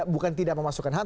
bukan tidak memasukkan ham